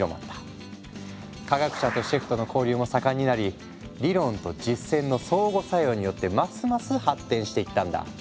科学者とシェフとの交流も盛んになり理論と実践の相互作用によってますます発展していったんだ。